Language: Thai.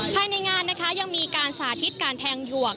ภายในงานนะคะยังมีการสาธิตการแทงหยวก